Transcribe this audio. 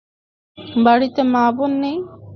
বাড়িতে মা-বোন নেই?